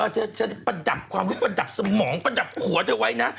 คุณจะผดับความรู้ผดับสมองผวดให้เวลานะ